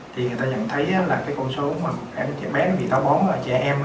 thì người ta nhận thấy là cái con số mà trẻ bé bị táo bón là trẻ em